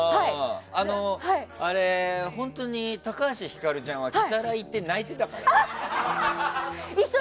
本当に高橋ひかるちゃんはキサラ行って泣いてたからね。